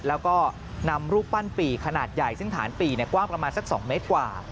แล้วก็นำรูปปั้นปี่ขนาดใหญ่ซึ่งฐานปี่กว้างประมาณสัก๒เมตรกว่า